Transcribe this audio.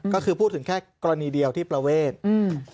ก็คือพูดถึงแค่กรณีเดียวที่ประเวทอืม